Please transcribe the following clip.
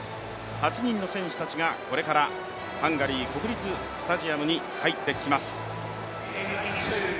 ８人の選手がこれからハンガリー国立スタジアムに入ってきます。